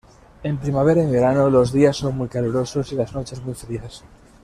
En primavera y verano, los días son muy calurosos y las noches muy frías.